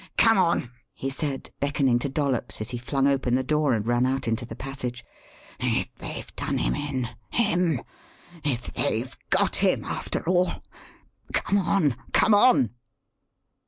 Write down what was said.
"Come on!" he said, beckoning to Dollops as he flung open the door and ran out into the passage. "If they've 'done him in' him! if they've 'got him' after all Come on! come on!"